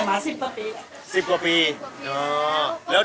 ไม่ธรรมดา